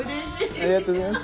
ありがとうございます。